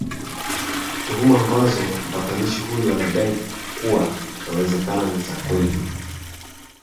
tuhuma ambazo mpatanishi huyo anadai kuwa yawezekana ni za kweli